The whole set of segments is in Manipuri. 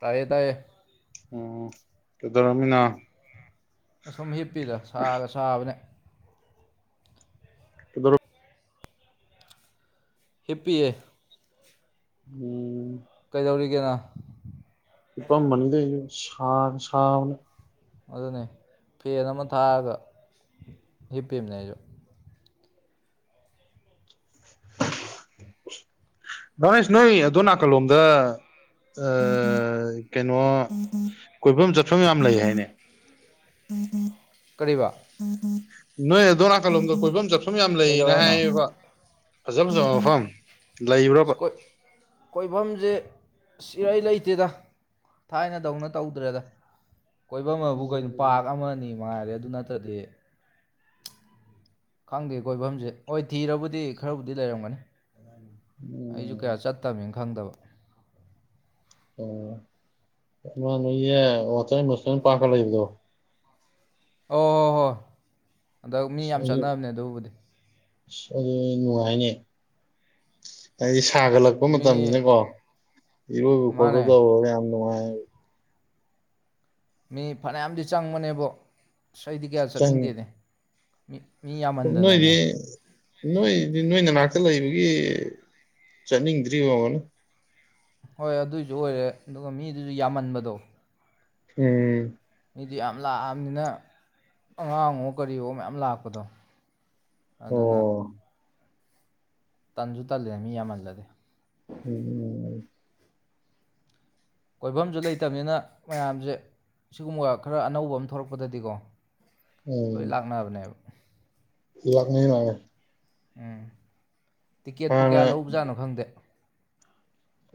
ꯇꯌꯦ ꯇꯌꯦ ꯎꯝ ꯀꯗꯔꯃꯤꯅꯥ ꯁꯨꯝ ꯍꯤꯞꯄꯤꯗ ꯁꯥꯔ ꯁꯥꯕꯅꯦ ꯗꯣ ꯍꯦꯞꯄꯤꯑ ꯎꯝ ꯀꯩꯗꯧꯔꯤꯒꯦꯅ ꯍꯤꯞꯄꯥꯃꯅꯤꯗ ꯁꯥꯟ ꯁꯥꯎ ꯑꯗꯨꯅꯦ ꯐꯦꯟ ꯑꯃ ꯊꯥꯔꯒ ꯍꯤꯞꯄꯤꯕꯅꯦ ꯑꯩꯁꯨ ꯉꯅꯦꯁ ꯅꯣꯏ ꯑꯗꯨꯟ ꯅꯥꯀꯜꯂꯣꯝꯗ ꯑ ꯀꯩꯅꯣ ꯀꯣꯏꯐꯝ ꯆꯠꯐꯝ ꯌꯥꯝ ꯂꯩ ꯍꯥꯏꯅꯦ ꯀꯔꯤꯕ ꯅꯣꯏ ꯅꯥ ꯀꯜꯣꯡꯒ ꯀꯣꯏꯕꯝ ꯆꯠ ꯁꯨꯝ ꯌꯥꯝ ꯂꯩꯌꯦꯅ ꯀꯩꯗꯧꯋꯦ ꯍꯥꯏꯅꯣ ꯍꯥꯏꯌꯦꯕ ꯐꯖ ꯐꯖꯕ ꯃꯐꯝ ꯂꯩꯕ꯭ꯔꯕ ꯀꯣꯏꯐꯝꯁꯦ ꯏꯔꯩ ꯂꯩ ꯏꯠꯇꯦꯗ ꯊꯥꯏꯅꯗꯧꯅ ꯇꯧꯗ꯭ꯔꯦꯗ ꯀꯣꯏꯐꯝ ꯑꯃꯕꯨ ꯀꯅꯣ ꯎꯝ ꯄꯥꯛ ꯑꯃꯅꯤ ꯃꯥꯔꯦ ꯑꯗꯨ ꯅꯠꯇꯗꯤ ꯈꯪꯗꯦ ꯀꯣꯏꯐꯝꯁꯦ ꯍꯣꯏ ꯊꯤꯔꯕꯨꯗꯤ ꯈꯔꯕꯨꯗꯤ ꯂꯩꯔꯝꯒꯅꯤ ꯑꯩꯁꯨ ꯎꯝ ꯀꯌꯥ ꯆꯠ ꯇꯥ ꯃꯤꯅ ꯈꯪꯗꯕ ꯑꯣ ꯅ ꯑꯣꯇ ꯃꯁ ꯄꯥ ꯂꯩ ꯂꯩꯗꯣ ꯑꯣꯣ ꯍꯟꯗꯛ ꯃꯤ ꯌꯥꯝ ꯆꯠꯅꯕꯅꯦ ꯑꯗꯨꯕꯨꯗꯤ ꯑ ꯑꯗꯨ ꯅꯨꯡꯉꯥꯏꯅꯦ ꯍꯥꯏꯗꯤ ꯁꯥꯒꯠꯂꯛꯄ ꯃꯤ ꯃꯇꯝꯅꯤꯅꯀꯣ ꯏꯔꯣꯏꯕ ꯈꯣꯠꯄ ꯃꯥꯅꯦ ꯇꯧꯔꯒ ꯌꯥꯝ ꯅꯨꯡꯉꯥꯏ ꯎ ꯃꯤ ꯐꯅꯌꯥꯝꯗꯤ ꯆꯪꯕꯅꯦꯕ ꯁ ꯑꯩꯗꯤ ꯀꯌꯥ ꯆꯪ ꯆꯠꯅꯤꯡꯗꯦꯅꯦ ꯃꯤ [unintelligible] ꯃꯤ ꯁꯨꯝ ꯅꯣꯏꯗꯤ ꯌꯥꯝꯃꯟꯗꯅꯅꯦ ꯅꯣꯏꯗꯤ ꯅꯣꯏ ꯅꯅꯥꯛꯇ ꯂꯩꯕꯒꯤ ꯆꯠꯅꯤꯡꯗ꯭ꯔꯤ ꯍꯣꯕꯅꯤ ꯍꯣꯏ ꯑꯗꯨꯏꯁꯨ ꯑꯣꯏꯔꯦ ꯑꯗꯨꯒ ꯃꯤꯗꯨꯁꯨ ꯌꯥꯝꯃꯟꯕꯗꯣ ꯍꯝ ꯃꯤꯗꯤ ꯌꯥꯝ ꯂꯥꯛꯑꯕꯅꯤꯅ ꯑꯉꯥꯡꯉꯣ ꯀꯔꯤꯑꯣꯣ ꯃꯌꯥꯝ ꯂꯥꯛꯄꯗꯣ ꯑꯗꯨꯅ ꯑꯣ ꯇꯟꯁꯨ ꯇꯜꯂꯦ ꯃꯤ ꯌꯥꯝꯃꯜꯂꯗꯤ ꯎꯝ [unintelligible] ꯀꯣꯏꯐꯝꯁꯨ ꯂꯩꯇꯕꯅꯤꯅ ꯃꯌꯥꯝꯁꯦ ꯁꯤꯒꯨꯝꯕ ꯈꯔ ꯑꯅꯧꯕ ꯑꯃ ꯊꯣꯛꯂꯛꯄꯗꯗꯤꯀꯣ ꯂꯣꯏ ꯂꯥꯛꯅꯕꯅꯦꯕ ꯂꯥꯛꯅꯤ ꯃꯥꯉꯦ [unintelligible] [inaudible] ꯑꯦ ꯇꯤꯛꯀꯦꯠꯄꯨ ꯀꯌꯥ ꯂꯧꯕꯖꯥꯠꯅꯣ ꯈꯪꯗꯦ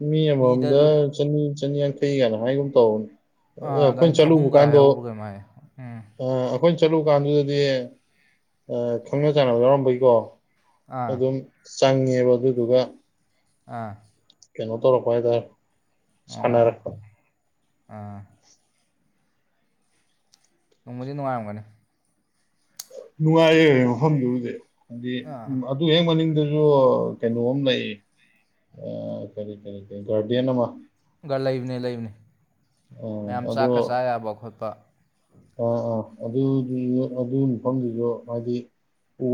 ꯃꯤ ꯃꯤꯗ ꯃꯝꯗ ꯂꯨꯞ ꯆꯅꯤ ꯆꯅꯤ ꯀꯩ ꯀꯅ ꯍꯥꯏꯒꯨꯝ ꯇꯧꯅꯤ ꯑꯥ ꯑꯗꯨꯏꯩꯅ ꯆꯍꯨꯝꯒ ꯍꯥꯏꯍꯧꯕ ꯀꯃꯣ ꯍꯥꯏ ꯎꯝ ꯑꯩꯈꯣꯏꯅ ꯆꯠꯂꯨ ꯀꯥꯟꯗꯨꯗꯗꯤ ꯈꯪꯅ ꯆꯥꯟꯅꯕ ꯌꯥꯎꯔꯝꯕꯩꯀꯣ ꯑꯥ [unintelligible] [inaudible] ꯆꯪꯉꯦꯕꯣ ꯑꯗꯨꯗꯨꯒ ꯑꯥ ꯀꯩꯅꯣ ꯇꯧꯔꯄꯥ ꯍꯥꯢꯇꯥꯔꯦ ꯁꯅꯔꯛꯄ ꯑ ꯅꯣꯡꯃꯗꯤ ꯅꯨꯡꯉꯥꯏꯔꯝꯒꯅꯤ ꯅꯨꯡꯉꯥꯏꯌꯦ ꯃꯐꯝꯗꯨꯕꯨꯗꯤ ꯍꯥꯏꯗꯤ ꯑꯥ ꯎ ꯑꯗꯨ ꯍꯦꯛ ꯃꯅꯤꯡꯗ ꯖꯨ ꯀꯩꯅꯣ ꯑꯃ ꯂꯩꯌꯦ ꯀꯔꯤ ꯀꯔꯤ ꯒꯥꯔꯗꯦꯟ ꯑꯃ ꯂꯩꯕꯅꯦ ꯂꯩꯕꯅꯦ ꯎ ꯃꯌꯥꯝ ꯑꯗꯣ ꯆꯥꯛꯀ ꯆꯥ ꯌꯥꯕ ꯈꯣꯠꯄ ꯑ ꯑꯥ ꯑꯗꯨ ꯑꯗꯨꯒꯤ ꯃꯐꯝꯗꯨꯁꯨ ꯍꯥꯏꯗꯤ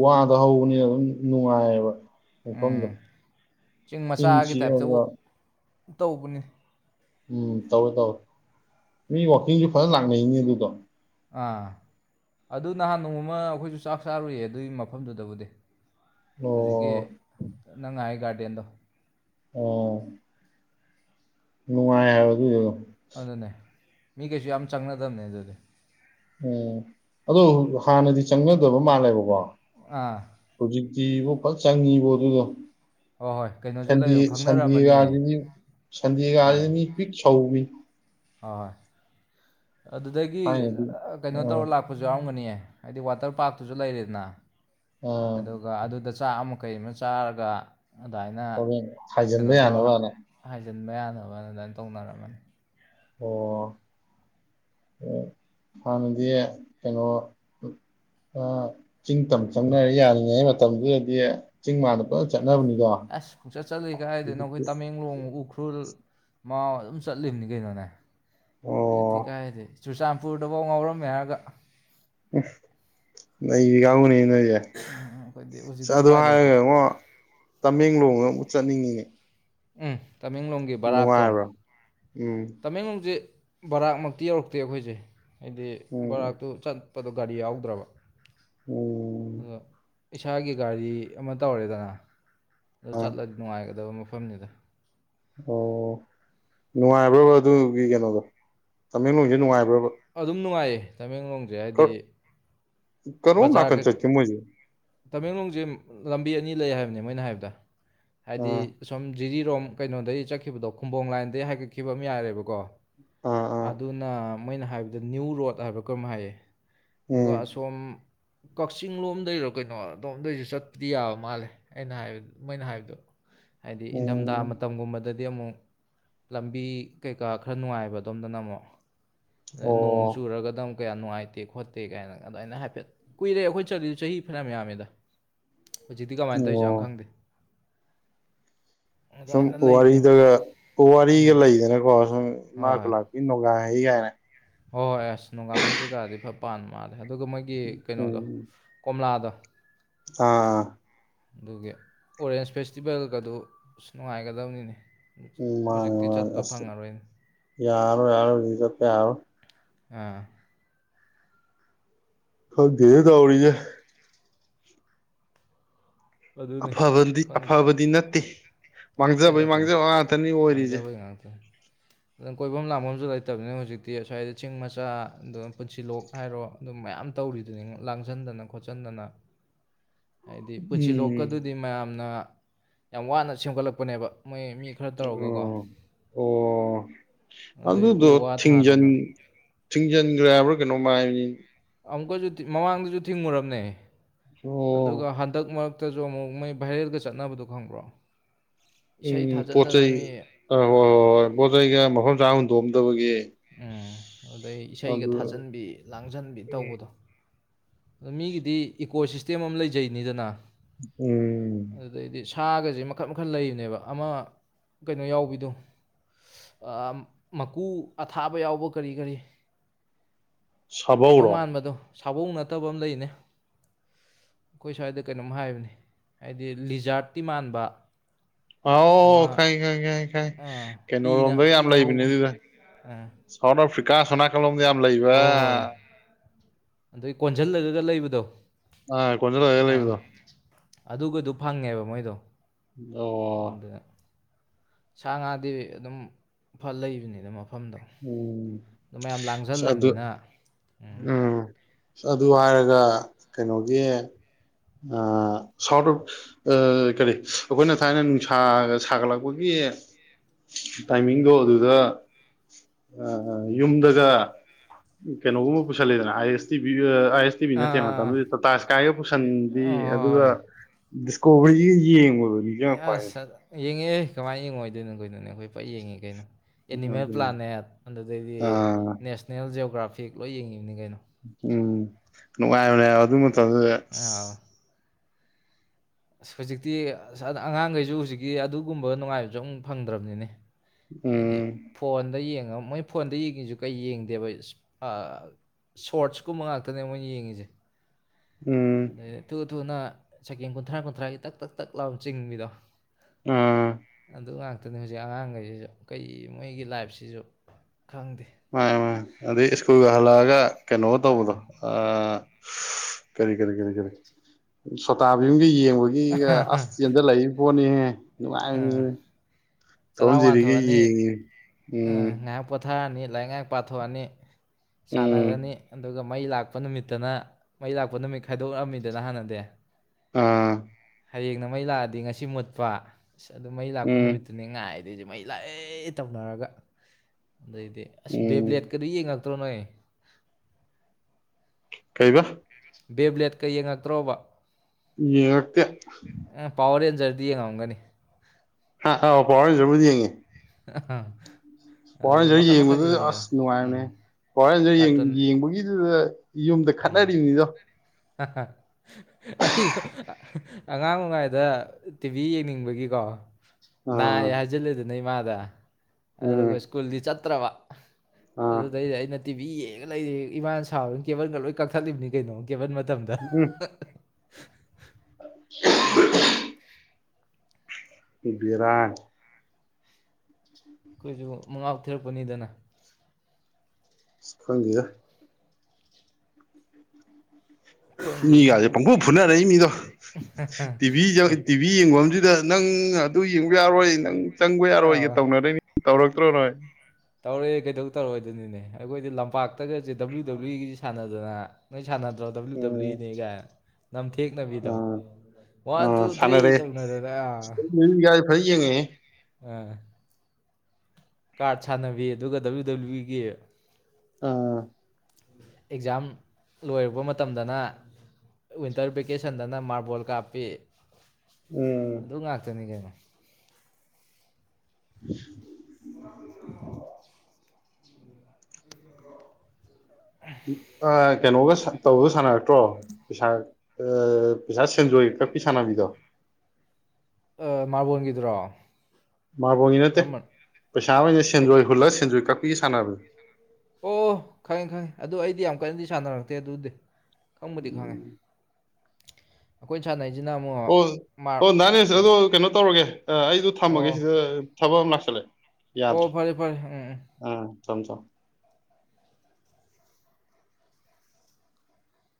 ꯋꯥꯗ ꯍꯧꯕꯅꯤꯅ ꯑꯗꯨꯝ ꯅꯨꯡꯉꯥꯏꯌꯦꯕ ꯃꯐꯝꯗꯣ ꯎꯝ ꯆꯤꯡ ꯏꯪ ꯃꯆꯥꯒꯤ ꯇꯥꯏꯞꯇ ꯆꯤꯛꯑꯒ ꯇꯧꯕꯅꯤ ꯎꯝ ꯇꯧꯋꯦ ꯇꯧꯋꯦ ꯃꯤ ꯋꯥꯛꯀꯤꯡꯁꯨ ꯐꯖꯅ ꯂꯥꯛꯅꯩꯅꯤ ꯑꯗꯨꯗꯣ ꯑꯥ ꯑꯗꯨ ꯅꯍꯥꯟ ꯅꯣꯡꯃ ꯑꯩꯈꯣꯏꯁꯨ ꯆꯥꯛ ꯆꯥꯔꯨꯏꯌꯦ ꯑꯗꯨꯒꯤ ꯃꯐꯝꯗꯨꯗꯕꯨꯗꯤ ꯑꯣ ꯍꯧꯖꯤꯛꯀꯤ ꯅꯪ ꯍꯥꯏ ꯒꯥꯔꯗ ꯕꯦꯟꯗ ꯑꯣ ꯅꯨꯡꯉꯥꯏ ꯍꯥꯏꯕ ꯑꯗꯨ ꯑꯗꯨꯅꯦ ꯃꯤ ꯀꯩꯁꯨ ꯌꯥꯝ ꯆꯪꯅꯗꯕꯅꯦ ꯑꯗꯨꯗꯤ ꯎꯝ ꯑꯗꯨ ꯍꯥꯟꯅꯗꯤ ꯆꯪꯅꯗꯕ ꯃꯥꯜꯂꯦꯕꯀꯣ ꯑꯥ ꯕꯣ ꯐꯜ ꯆꯪꯉꯤꯕꯣ ꯑꯗꯨꯗꯣ ꯍꯣꯏ ꯍꯣꯏ ꯀꯩꯅꯣꯁꯨ ꯁꯟꯗꯦ ꯂꯩꯔꯝ ꯈꯪꯅꯔꯝꯃꯅꯤꯌꯦ ꯁꯟꯗꯦꯒꯥꯁꯤ ꯁꯟꯗꯦꯒꯥꯁꯤꯅꯤ ꯄꯤꯛ ꯁꯧꯏ ꯍꯣꯍꯣꯏ ꯑꯗꯨꯗꯒꯤ ꯊꯥꯏꯅꯗꯤ ꯀꯩꯅꯣ ꯑꯥ ꯇꯧꯔ ꯂꯥꯛꯄꯁꯨ ꯌꯥꯎꯔꯝꯒꯅꯤꯌꯦ ꯍꯥꯏꯗꯤ ꯋꯥꯇꯔ ꯄꯥꯔꯛꯇꯨꯁꯨ ꯂꯩꯔꯦꯗꯅ ꯑꯥ ꯑꯗꯨꯒ ꯑꯗꯨꯗ ꯆꯥ ꯑꯃꯛ ꯀ ꯀꯩ ꯑꯃ ꯆꯥꯔꯒ ꯑꯣ ꯑꯗꯨꯃꯥꯏꯅ ꯊꯖꯟꯕ ꯌꯥꯅꯕꯅ ꯆꯤꯟꯕ ꯌꯥꯅꯕ ꯑꯗꯨꯃꯥꯏꯅ ꯇꯧꯅꯔꯝꯃꯅꯤ ꯑꯣ ꯍꯥꯟꯅꯗꯤ ꯀꯩꯅꯣ ꯆꯤꯡ ꯇꯝ ꯆꯪꯅꯔ ꯌꯥꯔꯤꯉꯩ ꯃꯇꯝꯗꯨꯗꯗꯤ ꯆꯤꯡ ꯃꯥꯗ ꯄꯨꯂꯞ ꯆꯪ ꯑꯁ ꯈꯨꯡꯆꯠ ꯆꯠꯂꯤ ꯀꯥꯏꯗꯅꯣ ꯍꯧꯖꯤꯛꯇꯤ. ꯑꯩꯈꯣꯏ ꯇꯃꯦꯡꯂꯣꯡ ꯎꯈ꯭ꯔꯨꯜ ꯃꯥ ꯑꯗꯨꯝ ꯆꯠꯂꯤꯕꯅꯤ ꯀꯩꯅꯣꯅꯦ ꯍꯧꯦ ꯇꯤ ꯑꯣ ꯀꯥꯏꯗꯤ ꯆꯨꯔꯆꯥꯟꯄꯨꯔꯗꯐꯥꯎ ꯉꯥꯎꯔꯝꯃꯦ ꯍꯥꯏꯔꯒ ꯅꯒꯕꯨꯅꯤ ꯌꯥꯏ ꯑꯩꯈꯣꯏꯗꯤ ꯍꯧꯖꯤꯛꯇꯤ ꯑꯗꯨ ꯎꯄꯥꯏ ꯍꯥꯏꯔꯒ ꯂꯩꯇꯦ ꯌꯦꯡꯉꯣ ꯇꯃꯦꯡꯂꯣꯡꯗꯨ ꯆꯠꯅꯤꯡꯉꯉꯤ ꯎꯝ ꯇꯃꯦꯡꯂꯣꯡꯒꯤ ꯕꯔꯥꯛꯇꯣ ꯎꯝ ꯇꯃꯦꯡꯂꯣꯡꯁꯦ ꯕꯔꯥꯃꯛꯇꯤ ꯌꯧꯔꯛꯇꯦ ꯑꯩꯈꯣꯏꯁꯦ ꯍꯥꯏꯗꯤ ꯎꯝ ꯕꯣꯔꯥꯛꯇꯨ ꯑꯄꯗꯣ ꯒꯥꯔꯤ ꯌꯥꯎꯗ꯭ꯔꯕ ꯎꯝ ꯌꯦ ꯏꯁꯥꯒꯤ ꯒꯥꯔꯤ ꯑꯃ ꯇꯧꯔꯦꯗꯅ ꯑꯗ ꯑ ꯆꯠꯂꯗꯤ ꯅꯨꯡꯉꯥꯏꯒꯗꯕ ꯃꯐꯝꯅꯤꯗ ꯑꯣ ꯅꯨꯡꯉꯥꯏꯕ꯭ꯔꯕ ꯑꯗꯨꯒꯤ ꯀꯩꯅꯣꯗꯣ ꯇꯃꯦꯡꯂꯣꯡꯁꯦ ꯑꯗꯨ ꯅꯨꯡꯉꯥꯏꯕ꯭ꯔꯕ ꯑꯗꯨꯝ ꯅꯨꯡꯉꯥꯏꯌꯦ ꯇꯃꯦꯡꯂꯣꯡꯁꯦ ꯍꯥꯏꯗꯤ ꯀꯕꯨ ꯅꯥꯀꯟ ꯕꯖꯥꯔ ꯆꯀꯤ ꯃ ꯇꯃꯦꯡꯂꯣꯡꯁꯦ ꯂꯝꯕꯤ ꯑꯅꯤ ꯂꯩ ꯍꯥꯏꯕꯅꯦ ꯃꯣꯏꯅ ꯍꯥꯏꯕꯗ ꯍꯥꯏꯗꯤ ꯑꯥ ꯁꯣꯝ ꯖꯤꯔꯤꯔꯣꯝ ꯀꯩꯅꯣꯗꯒꯤꯩ ꯆꯠꯈꯤꯕꯗꯣ ꯈꯨꯝꯕꯣꯡ ꯂꯥꯏꯟꯗꯩ ꯍꯥꯏꯒꯠꯈꯤꯕ ꯑꯃ ꯌꯥꯔꯦꯕꯀꯣ ꯑꯥ ꯑꯥ ꯑꯗꯨꯅ ꯃꯩꯅ ꯍꯥꯏꯕꯗ ꯅ꯭ꯌꯨ ꯔꯣꯗ ꯍꯥꯏꯕ ꯀꯔꯝ ꯍꯥꯏꯌꯦ ꯑꯗꯨꯒ ꯎꯝ ꯑꯁꯣꯝ ꯀꯛꯆꯤꯡ ꯂꯣꯝꯗꯩꯔꯕꯛ ꯀꯩꯅꯣ ꯑꯗꯣꯝꯗꯩꯁꯨ ꯆꯠꯄꯗꯤ ꯌꯥꯕ ꯃꯥꯜꯂꯦ ꯑꯩꯅ ꯍꯥꯏꯕ ꯃꯩꯅ ꯍꯥꯏꯕꯗꯣ ꯍꯥꯏꯗꯤ ꯏꯪꯊꯝꯊꯥ ꯎꯝ ꯃꯇꯝꯒꯨꯝꯕꯗ ꯑ ꯗꯗꯗꯤ ꯑꯃꯨꯛ ꯂꯝꯕꯤ ꯀꯩꯀꯥ ꯈꯔ ꯅꯨꯡꯉꯥꯏꯕ ꯑꯗꯣꯝꯗꯅ ꯑꯃꯨꯛ ꯅꯣꯡ ꯑꯣ ꯆꯨꯔꯒꯗꯨ ꯀꯌꯥ ꯅꯨꯡꯉꯥꯏꯇꯦ ꯈꯣꯠꯇꯦ ꯀꯥꯏꯅ ꯑꯗꯨꯗꯃꯥꯏꯅ ꯍꯥꯏꯐꯦꯠ ꯀꯨꯏꯔꯦ ꯑꯩꯈꯣꯏ ꯆꯂꯤ ꯆꯍꯤ ꯐꯤꯅ ꯌꯥꯝꯃꯤꯗ ꯍꯧꯖꯤꯛꯇꯤ ꯀꯃꯥꯏꯅ ꯇꯧꯔꯤꯁꯦꯅꯣ ꯑꯣ ꯈꯪꯗꯦ ꯁꯨꯝ ꯑꯗꯨꯃꯥꯏꯅ ꯂꯩꯕꯅꯦꯕ ꯋꯥꯔꯤꯗꯒ ꯋꯥꯔꯤꯒ ꯎꯝ ꯂꯩꯗꯅꯀꯣ ꯁꯨꯝ ꯏꯃꯥ ꯈꯨ ꯍꯣꯏ ꯂꯥꯛꯄꯤ ꯅꯨꯡꯒꯥꯏ ꯁꯍꯤꯒꯔꯦ ꯍꯣꯏ ꯍꯣꯏ ꯑꯁ ꯅꯨꯡꯗꯥꯡꯈꯩ ꯀꯩꯀꯥꯗꯤ ꯐꯠ ꯄꯥꯥꯟ ꯃꯥꯜꯂꯦ ꯑꯗꯨꯒ ꯃꯣꯏꯒꯤ ꯀꯩꯅꯣꯗꯣ ꯎꯝ ꯀꯣꯝꯂꯥꯗꯣ [inaudible] ꯑꯥ ꯑꯗꯨꯒꯤ ꯑꯣꯔꯦꯟꯁ ꯐꯦꯁꯇꯤꯚꯦꯜꯒꯗꯨ ꯑ ꯅꯨꯡꯉꯥꯏꯒꯗꯕꯅꯤꯅꯦ ꯎꯝ ꯃꯥꯅꯦ ꯍꯧꯖꯤꯛꯇꯤ ꯃꯥꯉꯦ ꯆꯠꯄ ꯑꯁ ꯐꯪꯉꯔꯣꯏꯅꯦ ꯌꯥꯔꯣ ꯌꯥꯔꯣ ꯇ ꯌꯥꯔꯣ ꯑ ꯍꯒꯦ ꯇꯧꯔꯤꯖꯦ ꯑꯗꯨꯅꯤ ꯑꯐꯕꯗꯤ ꯈꯪꯗꯦ ꯑꯐꯕꯗꯤ ꯅꯠꯇꯦ ꯅꯠꯇꯦꯗ ꯃꯥꯡꯖꯕꯩ ꯀꯩꯅꯣ ꯃꯥꯡꯖꯕ ꯉꯥꯛꯇꯅꯤ ꯑꯣꯏꯔꯤꯁꯦ ꯑꯗꯨꯅ ꯀꯣꯏꯐꯝ ꯂꯥꯡꯐꯝꯁꯨ ꯂꯩꯇꯕꯅꯤꯅ ꯍꯧꯖꯤꯛꯇꯤ ꯑꯁ꯭ꯋꯥꯏꯗ ꯆꯤꯡ ꯃꯆꯥ ꯑꯗꯨ ꯄꯨꯟꯁꯤꯂꯣꯛ ꯍꯥꯏꯔꯣ ꯑꯗꯨꯝ ꯃꯌꯥꯝ ꯇꯧꯔꯤꯗꯨꯅꯤ ꯂꯥꯡꯁꯤꯟꯗꯅ ꯈꯣꯠꯆꯟꯗꯅ ꯍꯥꯏꯗꯤ ꯎꯝ ꯄꯨꯟꯁꯤꯜꯂꯣꯛꯀꯗꯨꯗꯤ ꯃꯌꯥꯝꯅ ꯌꯥꯝ ꯋꯥꯅ ꯁꯦꯝꯒꯠꯂꯛꯄꯅꯦꯕ ꯃꯣꯏ ꯃꯤ ꯈꯔ ꯑꯣ ꯇꯧꯔꯒꯀꯣ ꯑꯣ ꯑꯗꯩ ꯎ ꯑꯗꯨꯗꯣ ꯋꯥ ꯊꯤꯡꯖꯟ ꯊꯥꯗꯅ ꯊꯤꯡꯖꯤꯟꯈ꯭ꯔꯦ ꯍꯥꯏꯕ꯭ꯔꯥ ꯀꯩꯅꯣꯃꯥꯏ ꯑꯃꯨꯛꯀꯁꯨ ꯃꯃꯥꯡꯗꯁꯨ ꯊꯤꯡꯉꯨꯔꯕꯅꯦ ꯑꯗꯨꯒ ꯑꯣ ꯍꯟꯗꯛꯃꯛ ꯍꯛꯇꯁꯨ ꯑꯃꯨꯛ ꯃꯣꯏ ꯚꯥꯏꯔꯦꯜꯒ ꯆꯠꯅꯕꯗꯣ ꯈꯪꯕ꯭ꯔꯣ ꯏꯁꯩ ꯎꯝ ꯄꯣꯠ ꯊꯥꯖꯟꯗꯅ ꯆꯩꯩ ꯃꯤ ꯑ ꯍꯣꯏ ꯑꯥ, ꯍꯣꯏ ꯍꯣꯏ ꯄꯣꯠꯆꯩꯒ ꯃꯐꯝ ꯆꯥ ꯍꯨꯟꯗꯣꯛꯑꯝꯗꯕꯒꯤ ꯎꯝ ꯑꯗꯩ ꯏꯁꯩꯒ ꯑꯗꯨ ꯊꯥꯖꯟꯕꯤ ꯂꯥꯡꯖꯟꯕꯤ ꯇꯧꯕꯗꯣ ꯑ ꯃꯤꯒꯤꯗꯤ ꯏꯀꯣ ꯁꯤꯁꯇꯦꯝ ꯑꯃ ꯂꯩꯖꯩꯅꯤꯗꯅ ꯎꯝ ꯑꯗꯨꯗꯩꯗꯤ ꯁꯥꯒꯁꯦ ꯃꯈꯜ ꯃꯈꯜ ꯂꯩꯕꯅꯦꯕ ꯑꯃ ꯀꯩꯅꯣ ꯌꯥꯎꯕꯤꯗꯣ ꯃꯀꯨ ꯑꯊꯥꯕ ꯌꯥꯎꯕ ꯀꯔꯤ ꯀꯔꯤ ꯀꯩꯅꯣ ꯁꯥꯕꯧꯔꯣ ꯃꯥꯟꯕꯗꯣ ꯁꯥꯕꯧ ꯅꯠꯇꯕ ꯑꯃ ꯂꯩꯅꯦ ꯑꯩꯈꯣꯏ ꯁ꯭ꯋꯥꯏꯗ ꯀꯩꯅꯣꯝ ꯍꯥꯏꯕꯅꯦ ꯍꯥꯏꯗꯤ ꯂꯤꯖꯥꯔꯠꯤ ꯃꯥꯟꯕ ꯑ ꯑꯃ ꯈꯩ ꯈꯩ ꯈꯩ ꯈꯥꯏ ꯀꯩꯅꯣꯔꯣꯝꯗ ꯌꯥꯝ ꯂꯩꯕꯅꯦ ꯑꯗꯨꯗ ꯑ ꯐꯤꯀꯥ ꯆꯅꯥ ꯀꯂꯝ ꯌꯥꯝ ꯂꯩꯕ ꯑꯗꯩ ꯀꯣꯟꯁꯤꯜꯂꯒꯒ ꯂꯩꯕꯗꯣ ꯑ ꯀꯣꯏꯅ ꯂ ꯑꯥ ꯂꯩꯗꯣ ꯑꯗꯨꯒꯗꯨ ꯐꯪꯉꯦꯕ ꯃꯣꯏꯗꯣ ꯑꯗꯨꯅ ꯑꯣ ꯁꯥ ꯉꯥꯗꯤ ꯑꯗꯨꯝ ꯐ ꯂꯩꯕꯅꯤꯗ ꯃ ꯎꯝ ꯃꯌꯥꯝ ꯑꯁ ꯑꯗꯨ ꯂꯥꯡꯁꯜꯂꯕꯅꯤꯅ ꯎꯝ ꯑꯗꯨ ꯍꯥꯏꯔꯒ ꯀꯩꯅꯣꯒꯤ ꯁꯥꯎꯠ ꯑꯣꯐ ꯀꯔꯤ ꯑꯩꯈꯣꯏꯅ ꯊꯥꯏꯅ ꯅꯨꯡꯁꯥ ꯁꯥꯒꯠꯂꯛꯄꯒꯤ ꯇꯥꯏꯃꯤꯡꯗꯣ ꯑꯗꯨꯗ ꯌꯨꯝꯗꯒ ꯀꯩꯅꯣꯒꯨꯝꯕ ꯄꯨꯁꯜꯂꯦꯗꯅ I S T B I S T V ꯅꯠꯇꯦ ꯑꯥ ꯃꯇꯝꯗꯨꯗꯤ ꯇꯥꯇꯥ ꯁ꯭ꯀꯥꯏꯒ ꯄꯨꯁꯤꯟꯕꯤ ꯑꯗꯨꯒ ꯍꯣꯏ ꯗꯤꯁꯀꯣꯚꯔꯤ ꯌꯦꯡꯕꯗꯨ ꯑꯁ [inaudible] ꯌꯦꯡꯉꯤꯍꯥ ꯀꯃꯥꯏ ꯌꯦꯡꯉꯣꯏꯗꯗꯣꯏꯅꯣꯅꯦ ꯀꯩꯅꯣꯅꯦ ꯑꯩꯈꯣꯏ ꯐ ꯌꯦꯡꯉꯤ ꯀꯩꯅꯣ ꯑꯦꯅꯤꯃꯦꯜ ꯑꯗꯨꯅꯤ ꯄ꯭ꯂꯥꯅꯦꯠ ꯑꯗꯨꯗꯒꯤꯗꯤ ꯑꯥ ꯅꯦꯁꯅꯦꯜ ꯖꯤꯑꯣꯒ꯭ꯔꯥꯐꯤ ꯐꯦꯛ ꯂꯣꯏ ꯌꯦꯡꯉꯤ ꯎꯝ ꯅꯨꯡꯉꯥꯏꯕꯅꯦ ꯍꯥꯏꯕ ꯑꯗꯨ ꯇꯝꯂ [inaudible] ꯑꯥ ꯑꯁ ꯍꯧꯖꯤꯛꯇꯤ ꯑꯉꯥꯡꯈꯩꯁꯨ ꯍꯧꯖꯤꯛꯇꯤ ꯑꯗꯨꯒꯨꯝꯕ ꯅꯨꯡꯉꯥꯏꯕꯁꯨ ꯑꯝ ꯐꯪꯗ꯭ꯔꯕꯅꯤꯅꯦ ꯍꯥꯏꯗꯤ ꯎꯝ ꯐꯣꯟꯗ ꯌꯦꯡ ꯃꯣꯏ ꯐꯣꯟꯗ ꯌꯦꯡꯉꯁꯨ ꯀꯩ ꯌꯦꯡꯗꯦꯕ ꯁꯣꯔꯠꯁꯀꯨꯝꯕ ꯉꯥꯛꯇꯅꯦ ꯃꯣꯏꯅ ꯌꯦꯡꯉꯤꯁꯦ ꯎꯝ ꯑꯗꯨꯨꯅ ꯁꯦꯀꯦꯟ ꯀꯨꯟꯊ꯭ꯔꯥ ꯀꯨꯟꯊ꯭ꯔꯥꯒꯤ ꯇꯛ ꯇꯛ ꯇꯛ ꯂꯥꯎ ꯆꯤꯡꯕꯤꯗꯣ ꯑꯥ ꯑꯗꯨ ꯉꯥꯛ ꯍꯧꯖꯤꯛ ꯑꯉꯥꯡꯈꯩꯁꯤꯁꯨ ꯀꯩ ꯃꯣꯏꯒꯤ ꯂꯥꯏꯐꯁꯤꯁꯨ ꯈꯪꯗꯦ ꯃꯥꯅꯦ ꯃꯥꯅꯦ ꯑꯗꯩ ꯁ꯭ꯀꯨꯜꯒ ꯍꯜꯂꯛꯑꯒ ꯀꯩꯅꯣꯒ ꯇꯧꯕꯗꯣ ꯑꯥ ꯀꯔꯤ ꯀꯔꯤ ꯀꯔꯤ ꯀꯔꯤ ꯁꯣꯇꯥ ꯕꯤꯝꯒꯤ ꯌꯦꯡꯕꯒꯤꯒ ꯑꯁ ꯆꯦꯟꯖꯜꯂꯛꯏ ꯄꯣꯠꯅꯤꯍꯦ [inaudible] ꯑꯥ ꯅꯨꯡꯉꯥꯏꯕꯅꯦꯃꯤ ꯇꯣꯝ ꯆꯔꯥ ꯖꯦꯔꯤꯒ ꯋꯥꯟꯊꯣꯛꯑꯅꯤ ꯌꯦꯡꯉꯤ ꯎꯝ ꯑꯥ ꯉꯥꯏꯍꯥꯛ ꯄꯣꯊꯥꯔꯅꯤ ꯂꯥꯏꯔꯤꯛ ꯉꯥꯛ ꯄꯥꯊꯣꯛꯑꯅꯤ ꯎꯝ ꯁꯥꯟꯅꯔꯅꯤ ꯑꯗꯨꯒ [inaudible] ꯃꯩ ꯂꯥꯛꯄ ꯅꯨꯃꯤꯠꯇꯅ ꯃꯩ ꯂꯥꯛꯄ ꯅꯨꯃꯤꯠ ꯈꯥꯏꯗꯣꯛꯂꯛꯑꯝꯃꯤꯗꯅ ꯍꯥꯟꯅꯗꯤ ꯑꯥ ꯍꯌꯦꯡꯅ ꯃꯩ ꯂꯥꯛꯑꯗꯤ ꯉꯁꯤ ꯃꯨꯠꯄ ꯑꯁ ꯑꯗꯨ ꯃꯩ ꯂꯥꯛꯄ ꯎꯝ ꯅꯨꯃꯤꯠꯇꯨꯅꯤ ꯉꯥꯏ ꯑꯗꯩꯗꯤ ꯃꯩ ꯂꯥꯛꯑꯦ ꯇꯧꯅꯔꯒ ꯑꯗꯩꯗꯤ ꯑꯁ ꯎꯝ ꯕꯦꯕ꯭ꯂꯦꯠꯀꯗꯨ ꯌꯦꯡꯉꯛ ꯇꯅꯣꯏ [inaudible] ꯀꯩꯕ ꯕꯦꯕ꯭ꯂꯦꯠꯀ ꯌꯦꯡꯉꯛꯇ꯭ꯔꯣꯕ ꯌꯦꯉꯛꯇꯦ ꯖꯔꯗꯤ ꯌꯦꯡ ꯉꯝꯒꯅꯤ ꯑꯥ ꯑꯥꯎ ꯄꯥꯎꯔꯖꯕꯨꯗꯤ ꯌꯦꯡꯉꯤ ꯑꯥ ꯄꯋꯥꯔ ꯍꯟꯖꯔ ꯌꯦꯡꯕꯗꯨꯗ ꯑꯁ ꯎꯝ ꯅꯨꯡꯉꯥꯏꯕꯅꯦ ꯄꯋꯥꯔ ꯍꯟꯖꯔ ꯀꯥꯔꯇꯨꯟ ꯌꯦꯡꯕꯒꯤꯗꯨꯗ ꯌꯨꯝꯗ ꯈꯠꯅ ꯎꯝ ꯔꯤꯕꯅꯤꯗꯣ ꯑꯩꯁꯨ ꯑꯉꯥꯡ ꯑꯣꯏꯉꯥꯏꯗ ꯇꯤꯚꯤ ꯌꯦꯡꯅꯤꯡꯕꯒꯤꯀꯣ ꯅꯥꯏ ꯑꯥ ꯍꯥꯏꯖꯜ ꯂꯦꯗꯅꯥ ꯏ [inaudible] ꯑ ꯎꯝ ꯑꯗꯨꯒ ꯁ꯭ꯀꯨꯜꯗꯤ ꯆꯠ ꯄꯠꯇ꯭ꯔꯕ ꯑꯥ ꯑꯗꯨ ꯑꯗꯨ ꯇꯤꯚꯤ ꯌꯦꯡꯉꯒ ꯂꯩꯔꯤꯦ ꯏꯃꯥꯅ ꯁꯥꯕ ꯀꯦꯕꯜꯒ ꯂꯣꯏ ꯀꯛꯊꯠꯂꯤꯕꯅꯤ ꯀꯩꯅꯣ ꯀꯦꯕꯟ ꯗ ꯎꯝ ꯑ [inaudible] ꯕꯤꯔꯥꯅꯤ ꯑꯩꯈꯣꯏꯁꯨ ꯃꯉꯥꯎ ꯊꯤꯔꯛꯄꯅꯤꯗꯅ ꯈꯪꯗꯦꯗ ꯈꯪꯗꯦ ꯃꯤꯒꯥꯁꯦ ꯍꯧꯖꯤꯛ ꯄꯪꯕꯨꯨ ꯐꯨꯅꯔꯛꯏ ꯃꯤꯗꯣ ꯇꯤꯚꯤ ꯇꯤꯚꯤ ꯌꯦꯡꯕꯁꯤꯗ ꯅꯪ ꯑꯗꯨ ꯌꯦꯡꯕ ꯌꯥꯔꯣꯏ ꯎ ꯆꯪꯕ ꯌꯥꯔꯣꯏꯒ ꯑꯥ ꯇꯧꯅꯔꯤꯅꯤ ꯇꯧꯔꯛꯇ꯭ꯔꯣ ꯅꯣꯏ ꯇꯧꯔꯛꯑꯦ ꯀꯩꯗꯧ ꯇꯧꯔꯑꯣꯏꯗꯣꯏꯅꯤꯅꯦ ꯑꯩꯈꯣꯏꯗꯤ ꯂꯝꯄꯥꯛꯇꯒꯁꯦ ꯗꯕ꯭ꯂꯤꯎ ꯗꯕ꯭ꯂꯤꯎꯒꯤꯁꯤ ꯁꯥꯟꯅꯗꯅ ꯅ ꯁꯅꯗꯔꯣ ꯗꯕ꯭ꯂꯤꯎ ꯎꯝ ꯗꯕ꯭ꯂꯤꯎꯅꯤ ꯀꯥꯢꯅ ꯅꯝꯊꯦꯡꯅꯕꯤꯗꯣ ꯑꯥ ꯋꯥꯟ ꯇꯨ ꯑꯥ ꯊ꯭ꯔꯤ ꯁꯥꯟꯅꯔꯛꯑꯦ ꯇꯧꯅꯗꯅ ꯐꯖꯅ ꯌꯦꯡꯉꯛꯑꯦ ꯎꯝ ꯀꯥꯔꯠ ꯁꯥꯟꯅꯕꯤ ꯑꯗꯨꯒ ꯗꯕ꯭ꯂꯤꯎ ꯗꯕ꯭ꯂꯤꯎꯒꯤ ꯑꯥ ꯑꯦꯛꯖꯥꯝ ꯂꯣꯏꯔꯕ ꯃꯇꯝꯗꯅ ꯋꯤꯟꯇꯔ ꯚꯦꯀꯦꯁꯟꯗꯅ ꯃꯥꯔꯕꯣꯜ ꯀꯥꯞꯄꯤ ꯎꯝ ꯑꯗꯨ ꯉꯥꯛꯇꯅꯤ ꯀꯩꯅꯣ ꯎꯝ ꯑ ꯀꯩꯅꯣꯒ ꯇꯧꯕ ꯁꯥꯟꯅꯔꯛꯇ꯭ꯔꯣ ꯄꯩꯁꯥ ꯄꯩꯁꯥ ꯁꯦꯟꯖꯣꯏ ꯀꯛꯄꯤ ꯁꯥꯟꯅꯕꯤꯗꯣ ꯃꯥꯔꯕꯣꯟꯒꯤꯗ꯭ꯔꯣ ꯃꯥꯔꯕꯣꯡꯒꯤ ꯅꯠꯇꯦ ꯄꯩꯁꯥ ꯑꯣꯏꯅ ꯀꯩ ꯁꯦꯟꯖꯣꯏ ꯍꯨꯜꯂꯒ ꯁꯦꯟꯖꯣꯏ ꯀꯛꯄ ꯄꯤ ꯁꯅꯅꯕ ꯑꯣ ꯈꯪꯉꯦ ꯈꯪꯉꯦ ꯑꯗꯨ ꯑꯩꯗꯤ ꯌꯥꯝ ꯀꯟꯅꯗꯤ ꯁꯥꯟꯅꯔꯛꯇꯦ ꯑꯗꯨꯗꯤ ꯈꯪꯕꯨꯗꯤ ꯈꯪꯉꯦ ꯎꯝ, ꯑꯩꯈꯣꯏ ꯁꯥꯟ ꯑꯣ ꯑꯣ ꯅꯍꯥꯟꯅꯦꯁꯗ ꯑꯗꯣ ꯀꯩꯅꯣ ꯇꯧꯔꯒꯦ ꯑꯩꯗꯣ ꯊꯝꯃꯒꯦ ꯑꯣ ꯁꯤꯗ ꯊꯕꯅꯁꯦ ꯑꯣ ꯐꯔꯦ ꯐꯔꯦ ꯎꯝ ꯆ ꯆꯣ